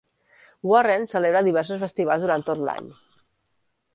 Warren celebra diversos festivals durant tot l'any.